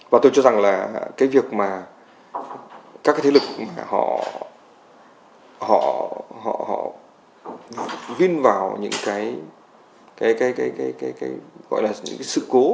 và tôi cho rằng là cái việc mà các cái thế lực họ huyên vào những cái gọi là sự cố